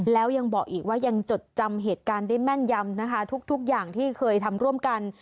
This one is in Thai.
แล้วยังบอกอีกว่ายังจดจำเหตุการณ์ได้แม่นยำนะคะทุกอย่างที่เคยทำร่วมกัน